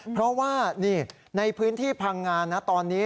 เพราะว่านี่ในพื้นที่พังงานนะตอนนี้